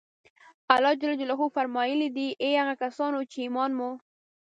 الله جل جلاله فرمایلي دي: اې هغه کسانو چې ایمان مو